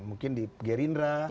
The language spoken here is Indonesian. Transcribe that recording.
mungkin di gerindra